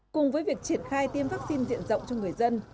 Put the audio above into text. cùng với việc triển khai tiêm vaccine diện rộng cho người dân